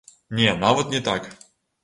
Не, нават не так!